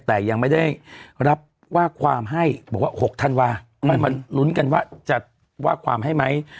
แต่ยังไม่ได้รับว่าความให้บอกว่า๖ธันวาค่อยมาลุ้นกันว่าจะว่าความให้ไหม